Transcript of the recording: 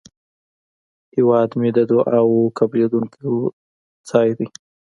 هیواد مې د دعاوو قبلېدونکی ځای دی